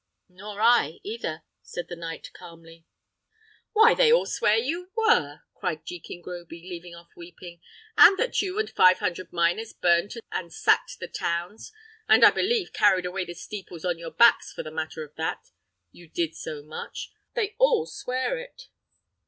"Nor I either," said the knight, calmly. "Why, they all swear you were!" cried Jekin Groby, leaving off weeping; "and that you and five hundred miners burnt and sacked the towns, and I believe carried away the steeples on your backs, for a matter of that, you did so much. They all swear it."